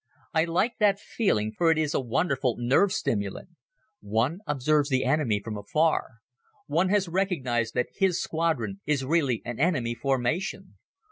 I like that feeling for it is a wonderful nerve stimulant. One observes the enemy from afar. One has recognized that his squadron is really an enemy formation.